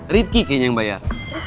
ridki kayaknya yang bayar